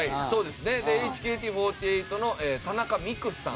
でＨＫＴ４８の田中美久さん。